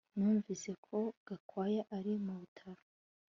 Numvise ko Gakwaya ari mu bitaro